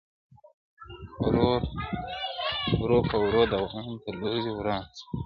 • ورو په ورو د دام پر لوري ور روان سو -